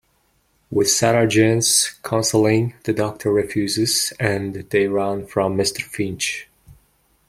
With Sarah Jane's counseling, the Doctor refuses, and they run from Mr. Finch.